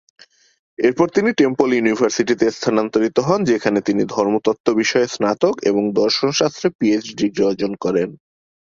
এরপর তিনি টেম্পল ইউনিভার্সিটিতে স্থানান্তরিত হন যেখানে তিনি ধর্মতত্ত্ব বিষয়ে স্নাতক এবং দর্শনশাস্ত্রে পিএইচডি ডিগ্রি অর্জন করেন।